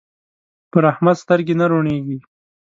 پر احمد سترګې نه روڼېږي.